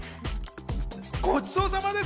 ごちそうさまです。